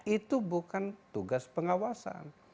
itu bukan tugas pengawasan